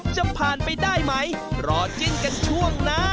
จะผ่านไปได้ไหมรอจิ้นกันช่วงหน้า